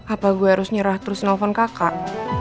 apa gue harus nyerah terus nelfon kakak